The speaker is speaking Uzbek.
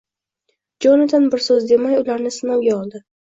Jonatan bir so‘z demay, ularni sinovga oldi